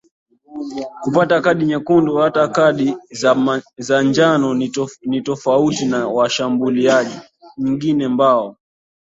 kupata kadi nyekundu hata kadi za njano nitofauti na washambuliaji nyingine mbao